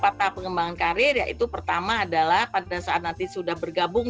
peta pengembangan karir yaitu pertama adalah pada saat nanti sudah bergabung